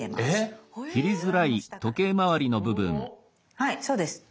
はいそうです。